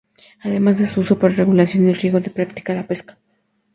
Además de su uso para regulación y riego, se practica la pesca.